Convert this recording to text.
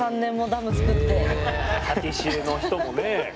パティシエの人もね。